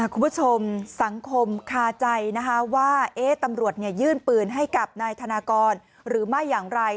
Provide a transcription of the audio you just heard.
คุณผู้ชมสังคมคาใจว่าตำรวจยื่นปืนให้กับนายธนากรหรือไม่อย่างไร